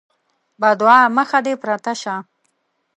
بدعا: مخ دې پرته شه!